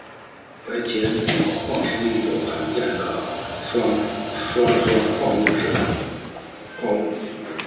白铅铝矿是一种罕见的碳酸铝矿物。